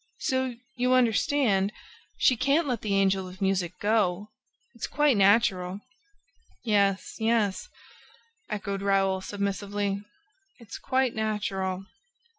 ... So, you understand, she can't let the Angel of Music go. It's quite natural." "Yes, yes," echoed Raoul submissively, "it's quite natural."